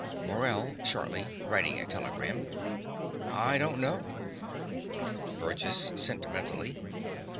MORELL (shortly, writing a telegram). I don't know. BURGESS (sentimentally).